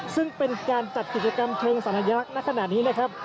ซึ่งเป็นการจัดกิจกรรมเชิงสัญลักษณ์ณขณะนี้นะครับ